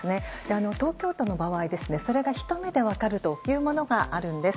東京都の場合それがひと目で分かるものがあるんです。